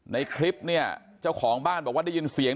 ในคลิปเนี่ยเจ้าของบ้านบอกว่าได้ยินเสียง